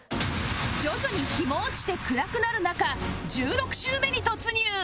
徐々に日も落ちて暗くなる中１６周目に突入